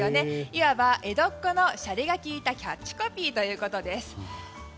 いわば江戸っ子の洒落がきいたキャッチコピーということです。